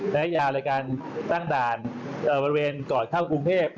และยาวเลยการตั้งด่านบริเวณกรอดข้าวกรุงเทพฯ